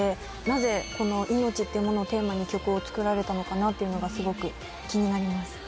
なぜ「命」っていうものをテーマに曲を作られたのかなっていうのがすごく気になります。